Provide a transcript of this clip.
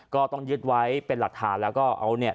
ก็ต้องยึดไว้เป็นหลักฐานแล้วก็เอาเนี่ย